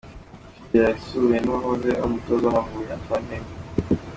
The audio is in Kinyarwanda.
Sugira yasuwe n’uwahoze ari umutoza w’Amavubi Antoine Hey.